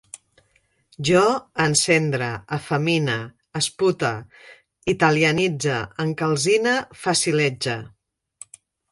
Jo encendre, efemine, espute, italianitze, encalcine, facilege